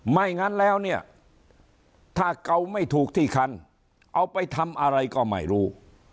ไม่งั้นแล้วเนี่ยถ้าเกาไม่ถูกที่คันเอาไปทำอะไรก็ไม่รู้